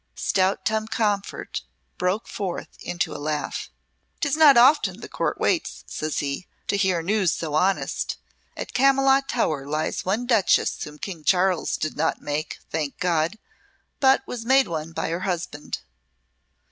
Stout Tom Comfort broke forth into a laugh. "'Tis not often the Court waits," says he, "to hear news so honest. At Camylott Tower lies one Duchess whom King Charles did not make, thank God, but was made one by her husband."